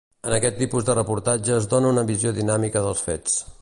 En aquest tipus de reportatge es dóna una visió dinàmica dels fets.